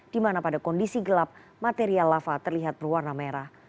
di mana pada kondisi gelap material lava terlihat berwarna merah